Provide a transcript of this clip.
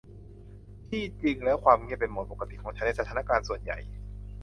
ที่จริงแล้วความเงียบเป็นโหมดปกติของฉันในสถานการณ์ส่วนใหญ่